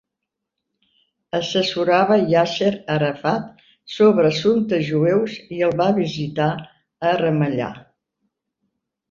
Assessorava Yasser Arafat sobre assumptes jueus i el va visitar a Ramallah.